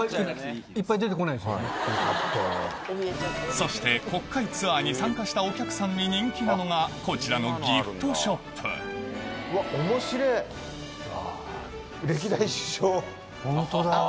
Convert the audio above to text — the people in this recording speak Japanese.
そして国会ツアーに参加したお客さんに人気なのがこちらのギフトショップホントだ。